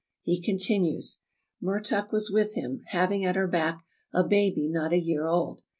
He continues: "Mertuk was with him, having at her back a baby not a year old.